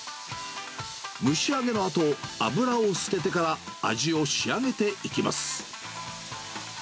蒸しあげのあと、脂を捨ててから、味を仕上げていきます。